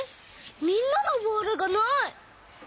みんなのボールがない。